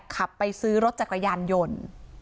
ขับไปซื้อรถจักรยานยนต์